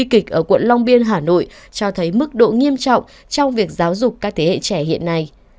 kịch ở quận long biên hà nội cho thấy mức độ nghiêm trọng trong việc giáo dục các thế hệ trẻ hiện nay